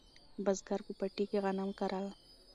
بزګر په پټي کې غنم کرل